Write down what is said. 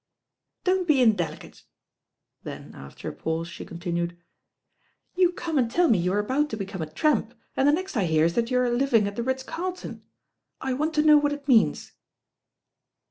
"Don't be indelicate." Then after a pause she contmued, Tou come and tell me you are about to become a tramp, and the next I hear is that you arc livmg at the Ritz Carlton. I want to know what it means."